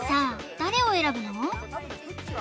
誰を選ぶの？